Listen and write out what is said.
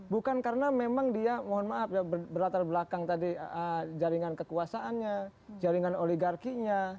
bukan karena memang dia mohon maaf ya berlatar belakang tadi jaringan kekuasaannya jaringan oligarkinya